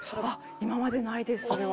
今までないですそれは。